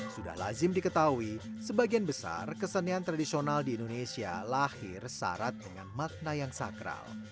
sudah lazim diketahui sebagian besar kesenian tradisional di indonesia lahir syarat dengan makna yang sakral